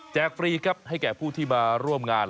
ฟรีครับให้แก่ผู้ที่มาร่วมงาน